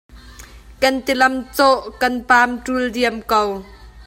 Kan tilam cawh kan pamṭul diam ko.